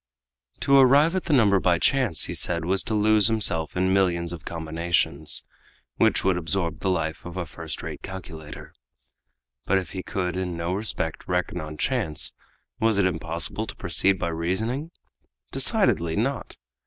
To arrive at the number by chance, he said, was to lose himself in millions of combinations, which would absorb the life of a first rate calculator. But if he could in no respect reckon on chance, was it impossible to proceed by reasoning? Decidedly not!